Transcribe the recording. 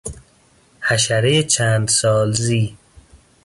حشرهی چند سالزی